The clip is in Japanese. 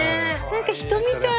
何か人みたい。